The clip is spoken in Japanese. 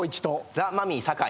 ザ・マミィ酒井。